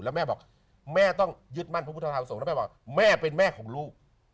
แล้วแม่บอกแม่ต้องยึดมั่นพระพุทธธรรมสงฆ์แล้วแม่บอกแม่เป็นแม่ของลูก